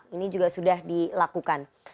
ini juga sudah dilakukan